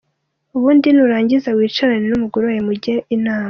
Ubundi nurangiza wicarane n'umugore wawe mujye inama.